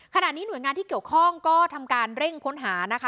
ขณะนี้หน่วยงานที่เกี่ยวข้องก็ทำการเร่งค้นหานะคะ